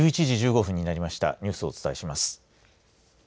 １１時１５分になりましたニュースをお伝えします。